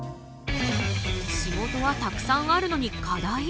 仕事はたくさんあるのに課題？